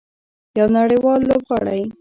یو نړیوال لوبغاړی.